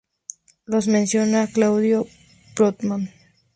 Los menciona Claudio Ptolomeo.